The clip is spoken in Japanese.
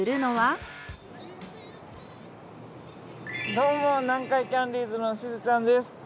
どうも南海キャンディーズのしずちゃんです。